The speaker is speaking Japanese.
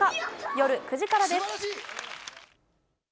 夜９時からです。